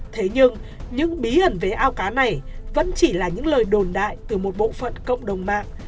thế nhưng những bí ẩn về ao cá này vẫn chỉ là những lời đồn đại từ một bộ phận cộng đồng mạng